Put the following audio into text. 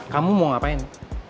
kamu mau ngapain